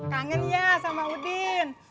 kangen ya sama udin